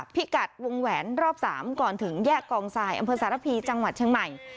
พิกัดวงแหวนรอบ๓ก่อนถึงแยกกองทรายอำเภอสารพีจังหวัดเชียงใหม่